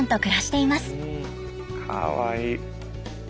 かわいい。